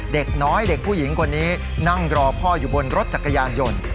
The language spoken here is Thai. เด็กน้อยเด็กผู้หญิงคนนี้นั่งรอพ่ออยู่บนรถจักรยานยนต์